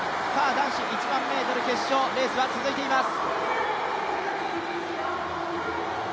男子１００００ｍ決勝、レースは続いています。